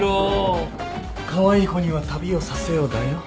カワイイ子には旅をさせよだよ